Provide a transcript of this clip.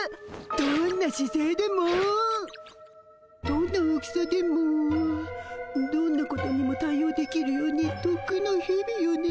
どんなしせいでもどんな大きさでもどんなことにも対応できるようにとっくんの日々よね。